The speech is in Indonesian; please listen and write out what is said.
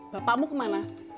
bapakmu ke mana